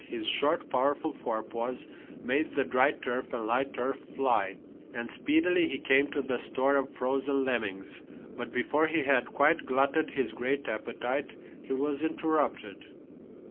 His short, powerful forepaws made the dry turf and light earth fly, and speedily he came to the store of frozen lemmings. But before he had quite glutted his great appetite, he was interrupted.